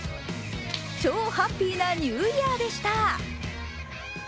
超ハッピーなニューイヤーでした。